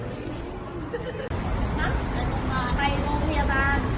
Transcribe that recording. มันต้องเป็นแบบนี้อ่ะมันต้องมีคำอะไรมันต้องมีคำหรอก